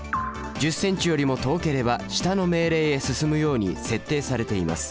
１０ｃｍよりも遠ければ下の命令へ進むように設定されています。